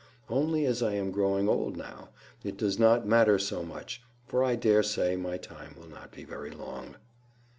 Only as I am growing old now, it does not matter so much, for I daresay my time will not be very long.